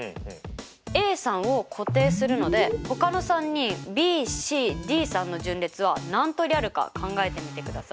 Ａさんを固定するのでほかの３人ＢＣＤさんの順列は何通りあるか考えてみてください。